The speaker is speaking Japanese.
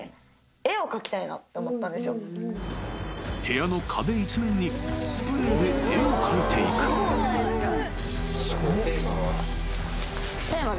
［部屋の壁一面にスプレーで絵を描いていく］テーマは？